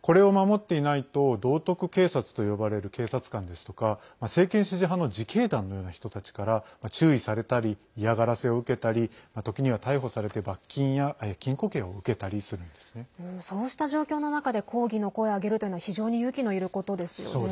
これを守っていないと道徳警察と呼ばれる警察官ですとか政権支持派の自警団のような人たちから注意されたり嫌がらせを受けたり時には逮捕されて罰金や禁錮刑をそうした状況の中で抗議の声を上げるというのは非常に勇気のいることですよね。